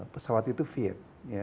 pesawat itu fit